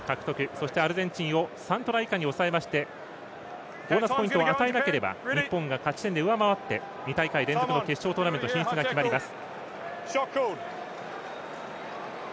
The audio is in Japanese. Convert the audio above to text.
そしてアルゼンチンを３トライ以下に抑えましてボーナスポイントを与えなければ日本が勝ち点で上回って２大会連続の決勝トーナメント進出が決まります。